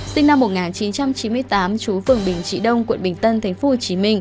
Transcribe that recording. sinh năm một nghìn chín trăm chín mươi tám chú phường bình trị đông quận bình tân tp hcm